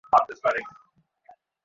কাল কেন আসবে?